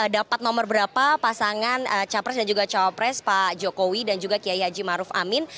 dapat nomor berapa pasangan capres dan juga cawapres pak jokowi dan juga kiai haji maruf amin